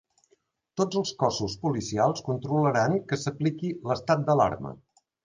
Tots els cossos policials controlaran que s'apliqui l'estat d'alarma